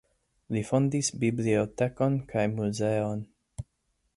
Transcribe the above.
Li fondis bibliotekon kaj muzeon.